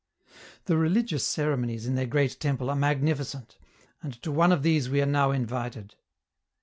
The religious ceremonies in their great temple are magnificent, and to one of these we are now invited.